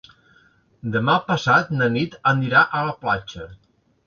Demà passat na Nit anirà a la platja.